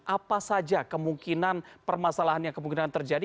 apa saja kemungkinan permasalahan yang kemungkinan terjadi